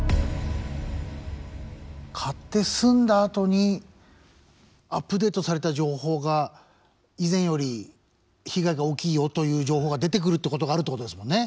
買って住んだあとにアップデートされた情報が以前より被害が大きいよという情報が出てくるってことがあるってことですもんね。